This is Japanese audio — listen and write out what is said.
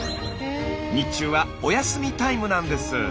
日中はお休みタイムなんです。